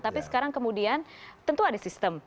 tapi sekarang kemudian tentu ada sistem